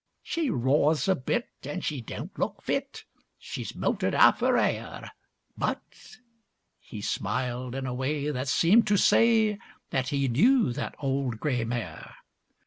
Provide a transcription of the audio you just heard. She roars a bit, and she don't look fit, She's moulted 'alf 'er 'air; But—' He smiled in a way that seemed to say, That he knew that old gray mare.